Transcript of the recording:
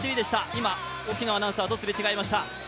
今、沖野アナウンサーとすれ違いました。